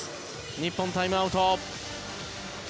日本、タイムアウト。